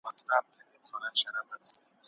یو خندونکی فلم وګورئ.